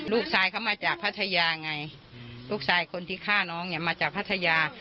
ลูกชายเขามาจากพัทยาไงลูกชายคนที่ฆ่าน้องเนี่ยมาจากพัทยา